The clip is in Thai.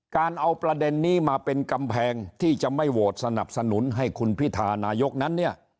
การเอาประเด็นนี้มาเป็นกำแพงที่จะไม่โหวตสนับสนุนให้คุณพิธานายกนั้นเนี่ย